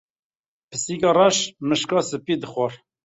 Pisîka reş mişka spî dixwar.